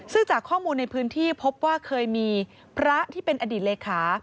ซึ่งจากข้อมูลในพื้นที่พบว่าเคยมีพระที่เป็นอดีตเลขา